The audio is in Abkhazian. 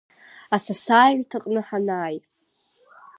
Асасааирҭаҟны ҳанааи…